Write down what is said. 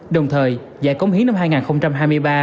đồng thời giải công hiến năm hai nghìn hai mươi ba